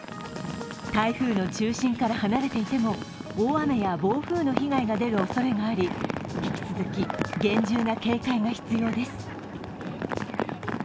台風の中心から離れていても大雨や暴風の被害が出るおそれがあり引き続き厳重な警戒が必要です。